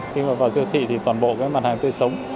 khi mà vào siêu thị thì toàn bộ cái mặt hàng tươi sống